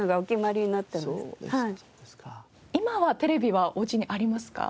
今はテレビはおうちにありますか？